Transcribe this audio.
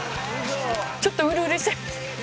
ちょっとウルウルしちゃいます。